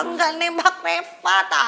enggak nembak reva tau